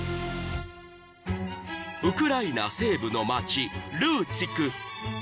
［ウクライナ西部の街ルーツィク］